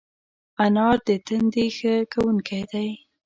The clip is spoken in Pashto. انار د تندي ښه کوونکی دی.